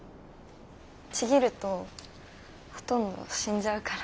ちぎるとほとんど死んじゃうから。